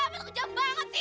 pak betul betul jam banget sih